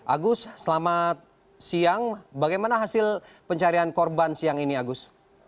agus selamat siang bagaimana hasil pencarian korban siang ini agus